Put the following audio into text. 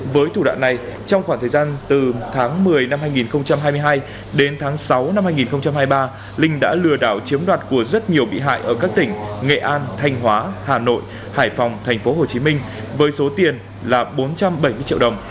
với thủ đoạn này trong khoảng thời gian từ tháng một mươi năm hai nghìn hai mươi hai đến tháng sáu năm hai nghìn hai mươi ba linh đã lừa đảo chiếm đoạt của rất nhiều bị hại ở các tỉnh nghệ an thanh hóa hà nội hải phòng tp hcm với số tiền là bốn trăm bảy mươi triệu đồng